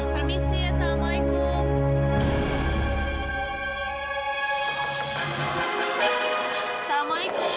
permisi ya assalamualaikum